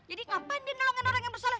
jadi kapan dia nolongin orang yang bersalah